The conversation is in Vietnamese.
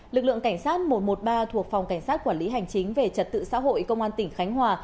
lực lượng cảnh sát một trăm một mươi ba thuộc phòng cảnh sát quản lý hành chính về trật tự xã hội công an tỉnh khánh hòa